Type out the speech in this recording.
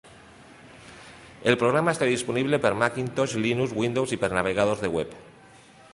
El programa està disponible per Macintosh, Linux, Windows i per navegadors de web.